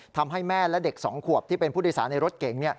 ทำให้แม่และเด็ก๒ขวบที่เป็นผู้โดยสารในรถเก๋ง